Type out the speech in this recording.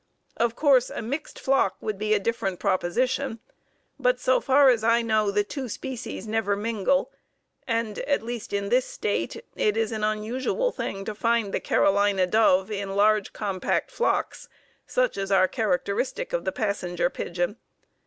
Of course a mixed flock would be a different proposition, but so far as I know the two species never mingle, and, at least in this State, it is an unusual thing to find the Carolina dove in large compact flocks such as are characteristic of the Passenger Pigeon.